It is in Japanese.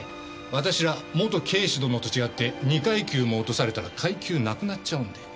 私ら元警視殿と違って２階級も落とされたら階級なくなっちゃうんで。